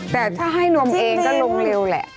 แต่ถ้าให้นมเองก็ลงเร็วแหละ